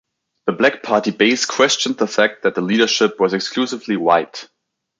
The black party base questioned the fact that the leadership was exclusively white.